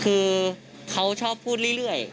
คือเขาชอบพูดเรื่อย